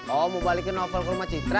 oh mau balikin novel ke rumah citra